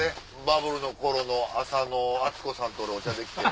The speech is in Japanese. バブルの頃の浅野温子さんとのお茶できて。